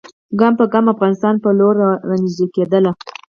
ګام په ګام د افغانستان پر لور را نیژدې کېدله.